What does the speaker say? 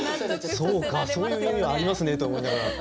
そうかそういう意味もありますねと思いながら。